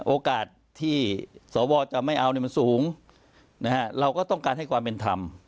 โอกาสที่สวจะไม่เอาเนี่ยมันสูงเราก็ต้องการให้ความเป็นธรรม